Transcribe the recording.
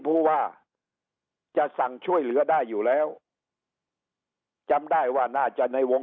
ผู้ว่าจะสั่งช่วยเหลือได้อยู่แล้วจำได้ว่าน่าจะในวง